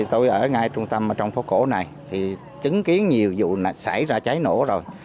tôi ở ngay trung tâm trong phố cổ này chứng kiến nhiều vụ xảy ra cháy nổ rồi